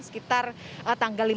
sekitar tanggal lima belas juli